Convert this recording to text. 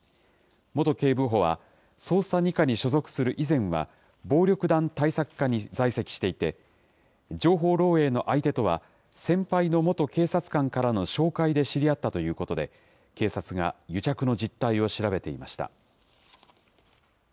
元警部補は、捜査２課に所属する以前は、暴力団対策課に在籍していて、情報漏えいの相手とは先輩の元警察官からの紹介で知り合ったということで、警察が癒着の実態を調べていました。